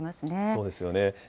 そうですよね。